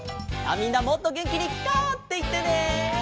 みんなもっとげんきに「カァ」っていってね。